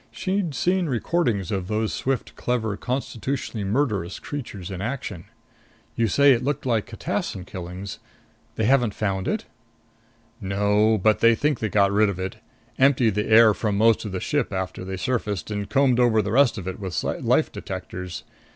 She'd seen recordings of those swift, clever, constitutionally murderous creatures in action. "You say it looked like catassin killings. They haven't found it?" "No. But they think they got rid of it. Emptied the air from most of the ship after they surfaced and combed over the rest of it with life detectors.